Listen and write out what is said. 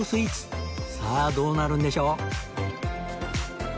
さあどうなるんでしょう？